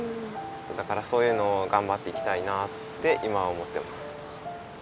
だからそういうのをがんばっていきたいなって今は思ってます。